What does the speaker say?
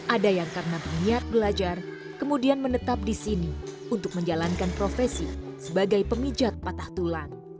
ada yang karena berniat belajar kemudian menetap di sini untuk menjalankan profesi sebagai pemijat patah tulang